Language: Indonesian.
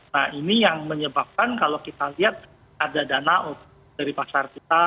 nah ini yang menyebabkan kalau kita lihat ada dana dari pasar kita